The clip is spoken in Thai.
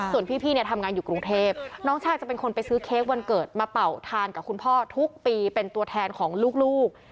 ส่วนพี่เนี่ยทำงานอยู่กรุงเทพน้องชายจะเป็นคนไปซื้อเค้กวันเกิดมาเป่าทานกับคุณพ่อทุกปีเป็นตัวแทนของลูก